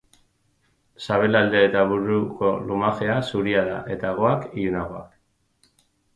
Sabelalde eta buruko lumajea zuria da eta hegoak ilunagoak.